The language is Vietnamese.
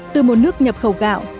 từ một nước nhập khẩu gạo